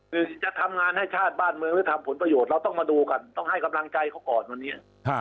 คือจะทำงานให้ชาติบ้านเมืองหรือทำผลประโยชน์เราต้องมาดูกันต้องให้กำลังใจเขาก่อนวันนี้